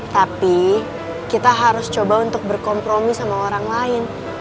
tapi kita harus coba untuk berkompromi sama orang lain